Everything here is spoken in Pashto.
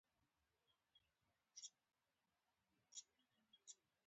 د الکاستون اهرام د هنري معمارۍ ارزښت لري.